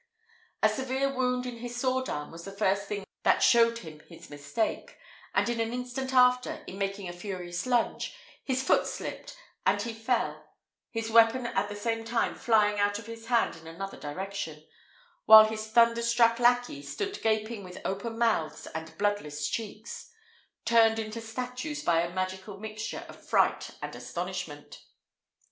A severe wound in his sword arm was the first thing that showed him his mistake, and in an instant after, in making a furious lunge, his foot slipped, and he fell; his weapon at the same time flying out of his hand in another direction, while his thunder struck lackeys stood gaping with open mouths and bloodless cheeks, turned into statues by a magical mixture of fright and astonishment.